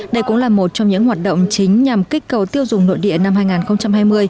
đây cũng là một trong những hoạt động chính nhằm kích cầu tiêu dùng nội địa năm hai nghìn hai mươi